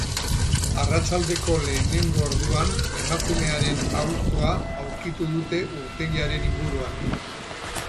Arratsaldeko lehenengo orduan emakumearen autoa aurkitu dute urtegiaren inguruan.